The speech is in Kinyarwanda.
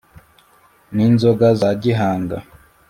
ni nzoga za gihanga